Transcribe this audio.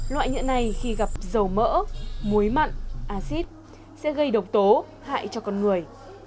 loại nhựa này khi gặp dầu mỡ muối mặn acid sẽ gây độc tố hại cho con người